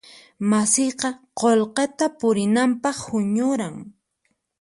Masiyqa qullqita purinanpaq huñuran.